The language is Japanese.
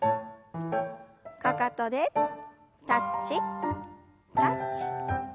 かかとでタッチタッチ。